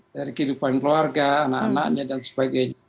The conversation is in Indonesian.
dari kehidupan keluarga anak anaknya dan juga dari perkembangan